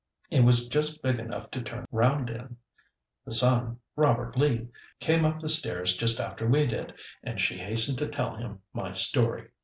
It was just big enough to turn round in. The son, Robert Lee, came up the stairs just after we did, and she hastened to tell him my story.